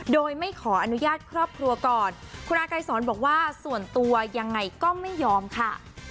โดยไม่ขออนุญาตครอบครัวก่อนคุณอากายสอนบอกว่าส่วนตัวยังไงก็ไม่ยอมค่ะ